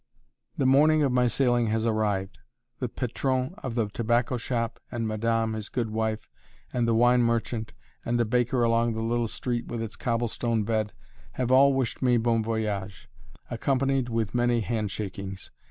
The morning of my sailing has arrived. The patron of the tobacco shop, and madame his good wife, and the wine merchant, and the baker along the little street with its cobblestone bed, have all wished me "bon voyage," accompanied with many handshakings.